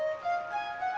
tuh mahal nih